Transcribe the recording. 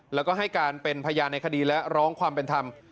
แล้วก็ให้การเป็นพยานในคดีและร้องความเป็นธรรม